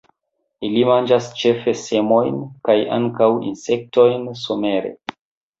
Ili manĝas ĉefe semojn, kaj ankaŭ insektojn somere.